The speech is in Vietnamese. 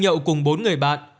nghĩa đã đi cùng bốn người bạn